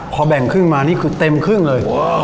พอแบ่งครึ่งมานี่คือเต็มครึ่งเลย